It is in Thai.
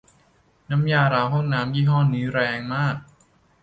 น้ำยาล้างห้องน้ำยี่ห้อนี้แรงมาก